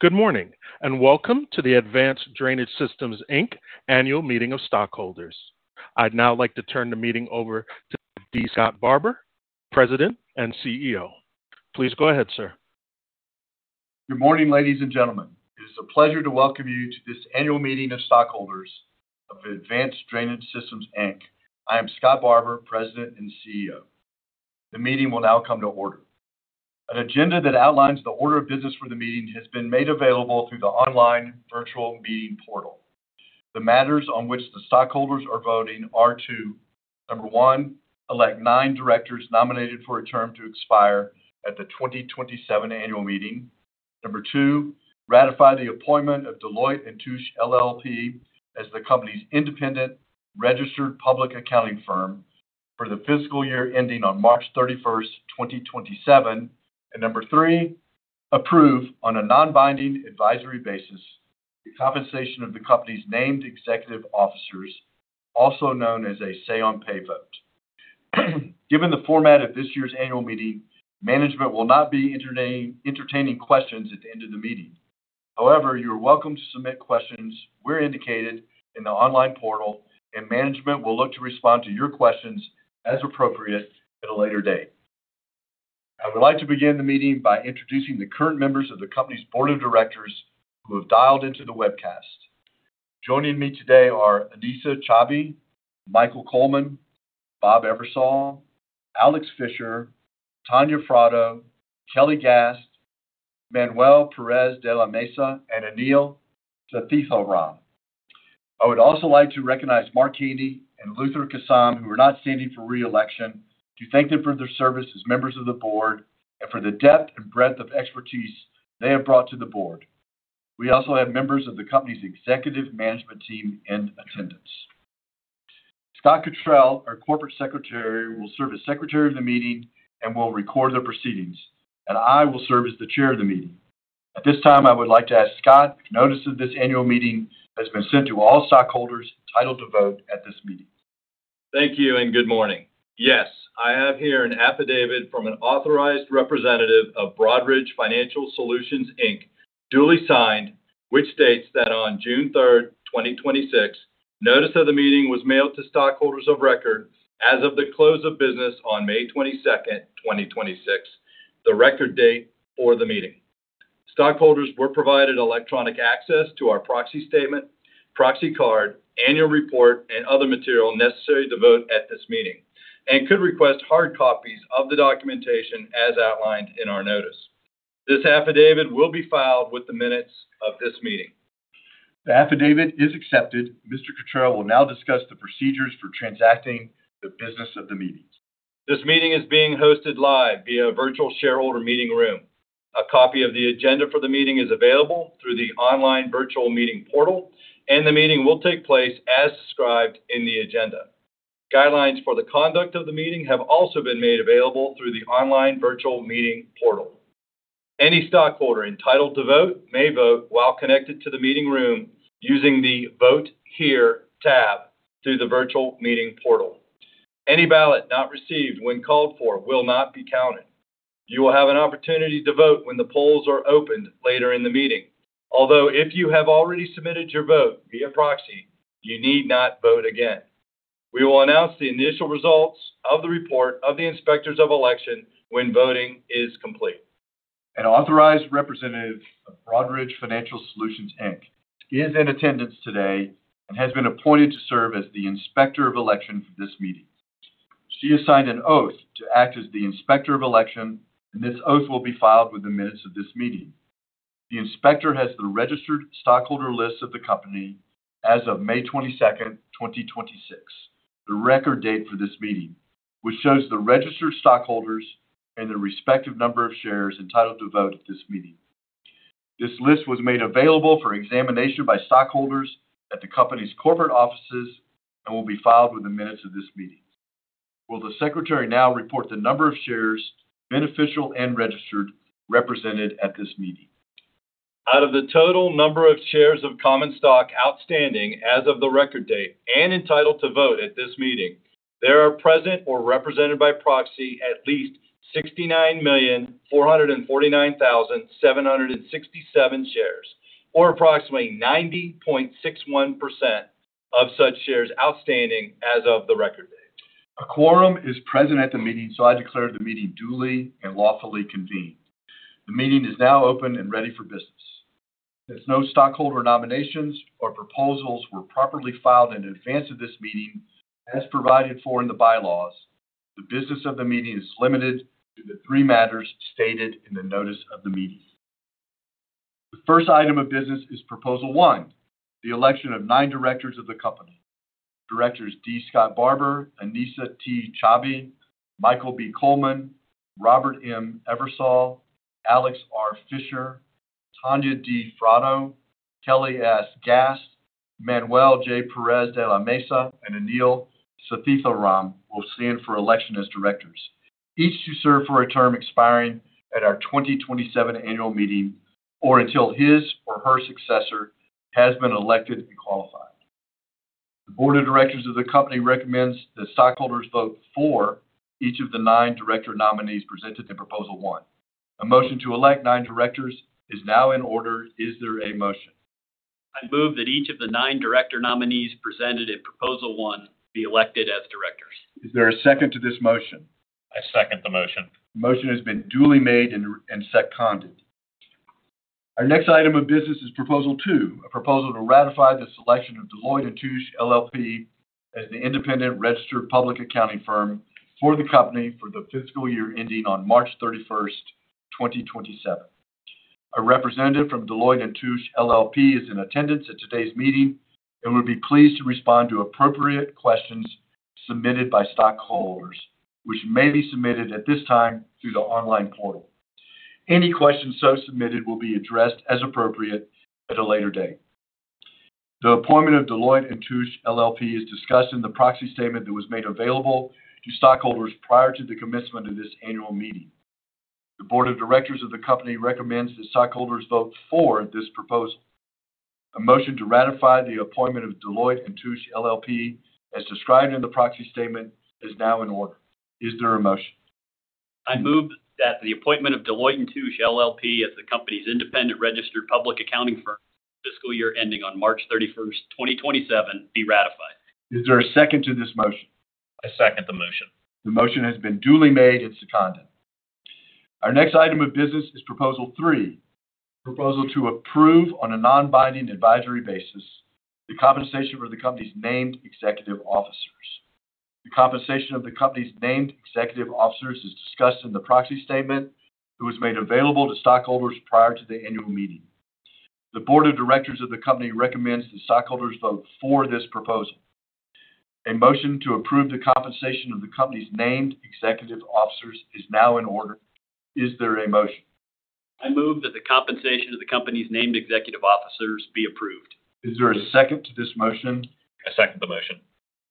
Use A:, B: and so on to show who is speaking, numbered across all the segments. A: Good morning, and welcome to the Advanced Drainage Systems, Inc. Annual Meeting of Stockholders. I'd now like to turn the meeting over to D. Scott Barbour, President and CEO. Please go ahead, sir.
B: Good morning, ladies and gentlemen. It is a pleasure to welcome you to this annual meeting of stockholders of Advanced Drainage Systems, Inc. I am Scott Barbour, President and CEO. The meeting will now come to order. An agenda that outlines the order of business for the meeting has been made available through the online virtual meeting portal. The matters on which the stockholders are voting are to, number one, elect nine directors nominated for a term to expire at the 2027 annual meeting. Number two, ratify the appointment of Deloitte & Touche LLP as the company's independent registered public accounting firm for the fiscal year ending on March 31st, 2027. Number three, approve on a non-binding advisory basis, the compensation of the company's named executive officers, also known as a say on pay vote. Given the format of this year's annual meeting, management will not be entertaining questions at the end of the meeting. However, you are welcome to submit questions where indicated in the online portal, and management will look to respond to your questions as appropriate at a later date. I would like to begin the meeting by introducing the current members of the company's Board of Directors who have dialed into the webcast. Joining me today are Anesa Chaibi, Michael Coleman, Bob Eversole, Alex Fischer, Tanya Fratto, Kelly Gast, Manuel Perez de la Mesa, and Anil Seetharam. I would also like to recognize Mark Haney and Luther Kissam, who are not standing for re-election, to thank them for their service as members of the board, and for the depth and breadth of expertise they have brought to the board. We also have members of the company's executive management team in attendance. Scott Cottrill, our corporate Secretary, will serve as Secretary of the meeting and will record the proceedings, and I will serve as the chair of the meeting. At this time, I would like to ask Scott if notice of this annual meeting has been sent to all stockholders entitled to vote at this meeting.
C: Thank you and good morning. Yes. I have here an affidavit from an authorized representative of Broadridge Financial Solutions, Inc., duly signed, which states that on June 3rd, 2026, notice of the meeting was mailed to stockholders of record as of the close of business on May 22nd, 2026, the record date for the meeting. Stockholders were provided electronic access to our proxy statement, proxy card, annual report, and other material necessary to vote at this meeting, and could request hard copies of the documentation as outlined in our notice. This affidavit will be filed with the minutes of this meeting.
B: The affidavit is accepted. Mr. Cottrill will now discuss the procedures for transacting the business of the meetings.
C: This meeting is being hosted live via virtual shareholder meeting room. A copy of the agenda for the meeting is available through the online virtual meeting portal, and the meeting will take place as described in the agenda. Guidelines for the conduct of the meeting have also been made available through the online virtual meeting portal. Any stockholder entitled to vote may vote while connected to the meeting room using the Vote Here tab through the virtual meeting portal. Any ballot not received when called for will not be counted. You will have an opportunity to vote when the polls are opened later in the meeting. If you have already submitted your vote via proxy, you need not vote again. We will announce the initial results of the report of the inspectors of election when voting is complete.
B: An authorized representative of Broadridge Financial Solutions, Inc. is in attendance today and has been appointed to serve as the Inspector of Election for this meeting. She has signed an oath to act as the Inspector of Election, and this oath will be filed with the minutes of this meeting. The inspector has the registered stockholder list of the company as of May 22nd, 2026, the record date for this meeting, which shows the registered stockholders and the respective number of shares entitled to vote at this meeting. This list was made available for examination by stockholders at the company's corporate offices and will be filed with the minutes of this meeting. Will the Secretary now report the number of shares, beneficial and registered, represented at this meeting.
C: Out of the total number of shares of common stock outstanding as of the record date and entitled to vote at this meeting, there are present or represented by proxy at least 69,449,767 shares, or approximately 90.61% of such shares outstanding as of the record date.
B: A quorum is present at the meeting. I declare the meeting duly and lawfully convened. The meeting is now open and ready for business. Since no stockholder nominations or proposals were properly filed in advance of this meeting, as provided for in the bylaws, the business of the meeting is limited to the three matters stated in the notice of the meeting. The first item of business is Proposal one, the election of nine directors of the company. Directors D. Scott Barbour, Anesa T. Chaibi, Michael B. Coleman, Robert M. Eversole, Alex R. Fischer, Tanya D. Fratto, Kelly S. Gast, Manuel J. Perez de la Mesa, Anil Seetharam will stand for election as directors, each to serve for a term expiring at our 2027 annual meeting or until his or her successor has been elected and qualified. The Board of Directors of the company recommends that stockholders vote for each of the nine director nominees presented in Proposal one. A motion to elect nine directors is now in order. Is there a motion?
C: I move that each of the nine director nominees presented in Proposal one be elected as directors.
B: Is there a second to this motion?
C: I second the motion.
B: The motion has been duly made and seconded. Our next item of business is Proposal two, a proposal to ratify the selection of Deloitte & Touche LLP as the independent registered public accounting firm for the company for the fiscal year ending on March 31st, 2027. A representative from Deloitte & Touche LLP is in attendance at today's meeting and would be pleased to respond to appropriate questions submitted by stockholders, which may be submitted at this time through the online portal. Any questions so submitted will be addressed as appropriate at a later date. The appointment of Deloitte & Touche LLP is discussed in the proxy statement that was made available to stockholders prior to the commencement of this annual meeting. The Board of Directors of the company recommends that stockholders vote for this proposal. A motion to ratify the appointment of Deloitte & Touche LLP as described in the proxy statement is now in order. Is there a motion?
C: I move that the appointment of Deloitte & Touche LLP as the company's independent registered public accounting firm for the fiscal year ending on March 31st, 2027, be ratified.
B: Is there a second to this motion?
C: I second the motion.
B: The motion has been duly made and seconded. Our next item of business is Proposal three, a proposal to approve on a non-binding advisory basis the compensation for the company's named executive officers. The compensation of the company's named executive officers is discussed in the proxy statement that was made available to stockholders prior to the annual meeting. The board of directors of the company recommends that stockholders vote for this proposal. A motion to approve the compensation of the company's named executive officers is now in order. Is there a motion?
C: I move that the compensation of the company's named executive officers be approved.
B: Is there a second to this motion?
C: I second the motion.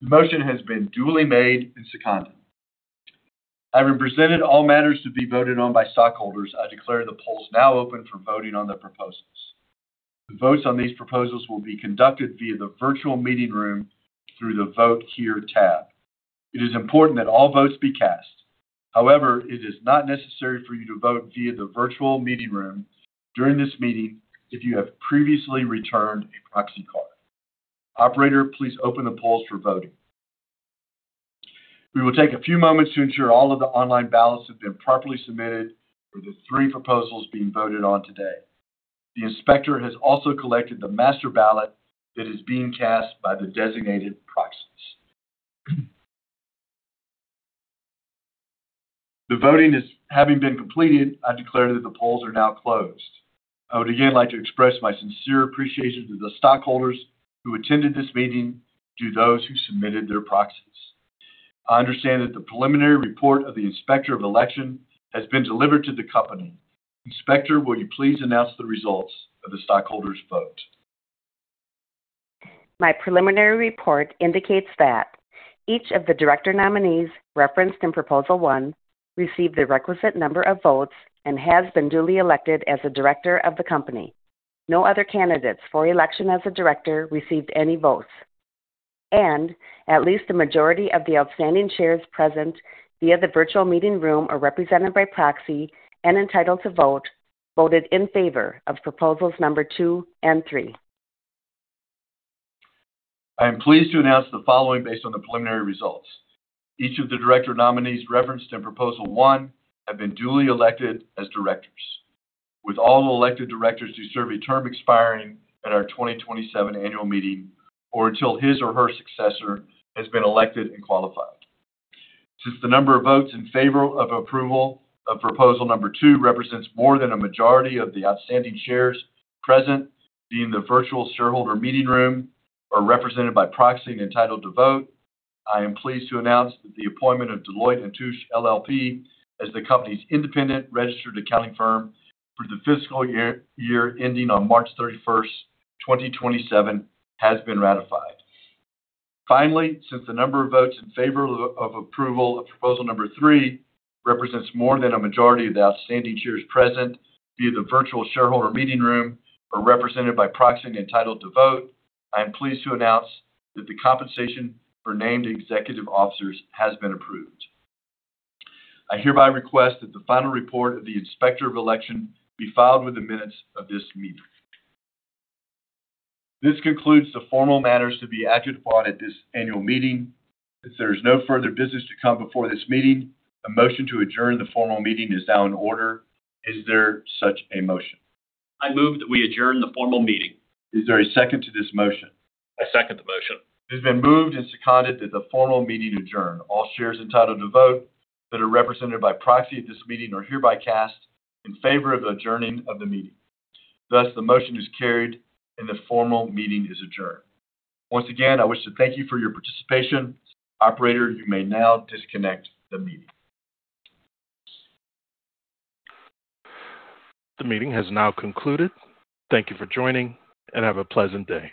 B: The motion has been duly made and seconded. Having presented all matters to be voted on by stockholders, I declare the polls now open for voting on the proposals. The votes on these proposals will be conducted via the virtual meeting room through the Vote Here tab. It is important that all votes be cast. However, it is not necessary for you to vote via the virtual meeting room during this meeting if you have previously returned a proxy card. Operator, please open the polls for voting. We will take a few moments to ensure all of the online ballots have been properly submitted for the three proposals being voted on today. The inspector has also collected the master ballot that is being cast by the designated proxies. The voting has having been completed, I declare that the polls are now closed. I would again like to express my sincere appreciation to the stockholders who attended this meeting and to those who submitted their proxies. I understand that the preliminary report of the Inspector of Election has been delivered to the company. Inspector, will you please announce the results of the stockholders' vote? My preliminary report indicates that each of the director nominees referenced in Proposal one received the requisite number of votes and has been duly elected as a director of the company. No other candidates for election as a director received any votes. At least a majority of the outstanding shares present via the virtual meeting room are represented by proxy and entitled to vote, voted in favor of proposals number two and three. I am pleased to announce the following based on the preliminary results. Each of the director nominees referenced in Proposal one have been duly elected as directors, with all the elected directors to serve a term expiring at our 2027 annual meeting, or until his or her successor has been elected and qualified. Since the number of votes in favor of approval of proposal number two represents more than a majority of the outstanding shares present, being the virtual shareholder meeting room, are represented by proxy and entitled to vote, I am pleased to announce that the appointment of Deloitte & Touche LLP as the company's independent registered accounting firm for the fiscal year ending on March 31, 2027, has been ratified. Finally, since the number of votes in favor of approval of proposal number three represents more than a majority of the outstanding shares present via the virtual shareholder meeting room, are represented by proxy and entitled to vote, I am pleased to announce that the compensation for named executive officers has been approved. I hereby request that the final report of the Inspector of Election be filed with the minutes of this meeting. This concludes the formal matters to be acted upon at this annual meeting. As there is no further business to come before this meeting, a motion to adjourn the formal meeting is now in order. Is there such a motion?
C: I move that we adjourn the formal meeting.
B: Is there a second to this motion?
C: I second the motion.
B: It has been moved and seconded that the formal meeting adjourn. All shares entitled to vote that are represented by proxy at this meeting are hereby cast in favor of adjourning of the meeting. Thus, the motion is carried, and the formal meeting is adjourned. Once again, I wish to thank you for your participation. Operator, you may now disconnect the meeting.
A: The meeting has now concluded. Thank you for joining, and have a pleasant day